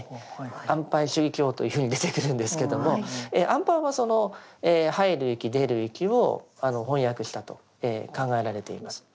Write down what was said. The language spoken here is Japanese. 「安般守意経」というふうに出てくるんですけれども「安般」はその入る息出る息を翻訳したと考えられています。